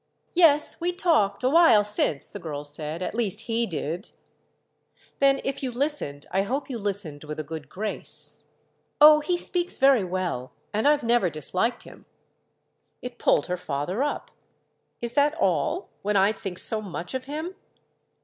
"Yes, we talked—a while since," the girl said. "At least he did." "Then if you listened I hope you listened with a good grace." "Oh, he speaks very well—and I've never disliked him." It pulled her father up. "Is that all—when I think so much of him?"